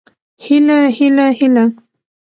هيله هيله هيله